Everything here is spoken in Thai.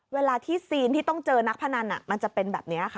เวลาที่ซีนที่ต้องเจอนักพนันมันจะเป็นแบบนี้ค่ะ